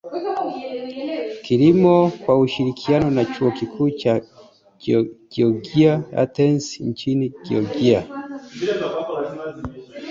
Kilimo kwa ushirikiano na Chuo Kikuu cha Georgia Athens nchini Georgia